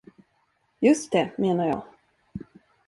Just det, menar jag.